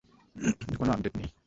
কোন আপডেট নেই।